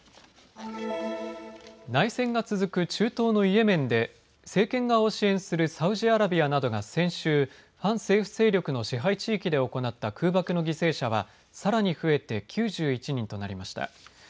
内戦が続く中東のイエメンで政権側を支援するサウジアラビアなどが先週、反政府勢力の支配地域で行った空爆の犠牲者はさらに増えて９１人となりました。